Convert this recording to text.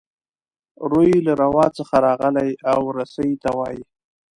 روي له روا څخه راغلی او رسۍ ته وايي.